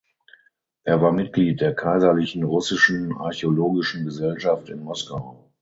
Er war Mitglied der Kaiserlichen Russischen Archäologischen Gesellschaft in Moskau.